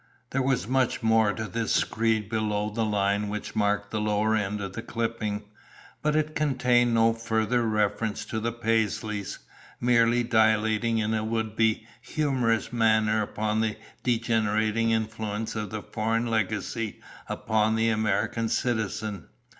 There was more to this screed below the line which marked the lower end of the clipping, but it contained no further reference to the Paisleys, merely dilating in a would be humorous manner upon the degenerating influence of the foreign legacy upon the American citizen.